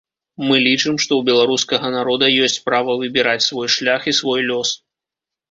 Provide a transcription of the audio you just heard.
Мы лічым, што ў беларускага народа ёсць права выбіраць свой шлях і свой лёс.